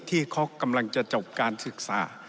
ที่เขากำลังจะจบการศึกษา